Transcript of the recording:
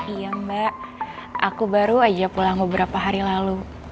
iya mbak aku baru aja pulang beberapa hari lalu